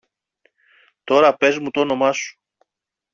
Τώρα πες μου τ' όνομα σου.